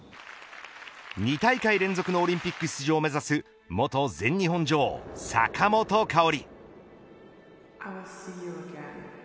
２大会連続のオリンピック出場を目指す元全日本女王、坂本花織。